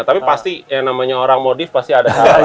tapi pasti yang namanya orang modif pasti ada hal hal